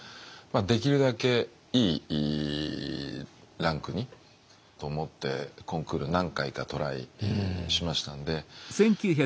できるだけいいランクにと思ってコンクール何回かトライしましたんで。